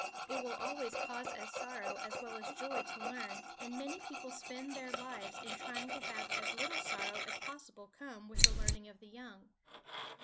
It will always cause us sorrow as well as joy to learn, and many people spend their lives in trying to have as little sorrow as possible come with the learning of the young.